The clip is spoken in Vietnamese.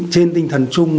trên tinh thần chung